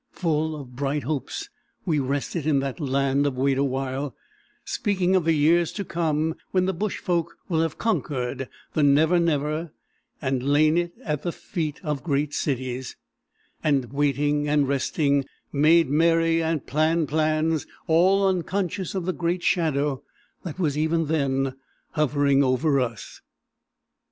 Full of bright hopes, we rested in that Land of Wait a while, speaking of the years to come, when the bush folk will have conquered the Never Never and lain it at the feet of great cities; and, waiting and resting, made merry and planned plans, all unconscious of the great shadow that was even then hovering over us.